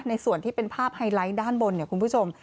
ส่วนที่เป็นภาพไฮไลท์ด้านบนเนี่ยคุณผู้ชม